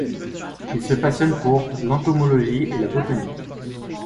Il se passionne pour l’entomologie et la botanique.